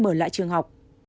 mở lại trường học